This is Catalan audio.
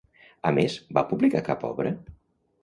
A més, va publicar cap obra?